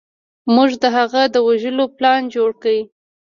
موږ د هغه د وژلو پلان جوړ کړ.